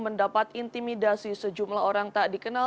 mendapat intimidasi sejumlah orang tak dikenal